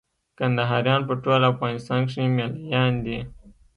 کندهاريان په ټول افغانستان کښي مېله يان دي.